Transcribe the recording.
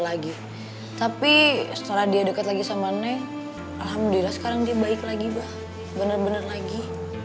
lagi tapi setelah dia deket lagi sama neng alhamdulillah sekarang dia baik lagi bah bener bener lagi